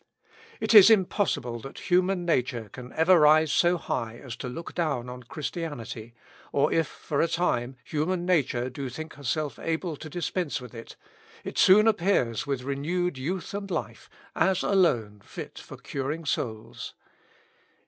It is impossible that human nature can ever rise so high as to look down on Christianity, or if, for a time, human nature do think herself able to dispense with it, it soon appears with renewed youth and life, as alone fit for curing souls.